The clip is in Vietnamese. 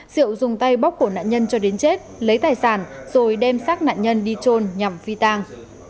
diệu dùng tay bóc cổ nạn nhân cho đến chết lấy tài sản rồi đem xác nạn nhân đi trôn nhằm phi tang